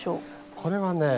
これはね